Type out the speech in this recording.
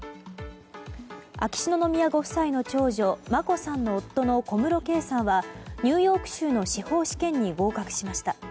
秋篠宮ご夫妻の長女・眞子さんの夫の小室圭さんはニューヨーク州の司法試験に合格しました。